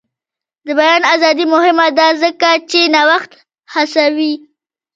د بیان ازادي مهمه ده ځکه چې نوښت هڅوي.